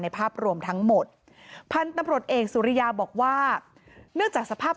ภาพรวมทั้งหมดพันธุ์ตำรวจเอกสุริยาบอกว่าเนื่องจากสภาพ